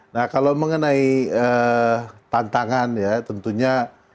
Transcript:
nah kalau mengenai tantangan ya tentunya semua pekerjaan